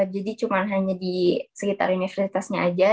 jadi cuma hanya di sekitar universitasnya aja